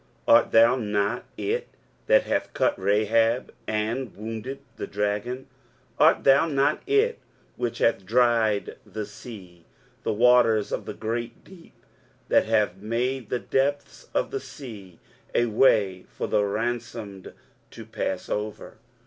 Art thou not it that hath cut Rahab, and wounded the dragon? 23:051:010 Art thou not it which hath dried the sea, the waters of the great deep; that hath made the depths of the sea a way for the ransomed to pass over?